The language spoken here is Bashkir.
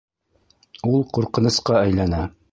Ул ҡурҡынысҡа әйләнә!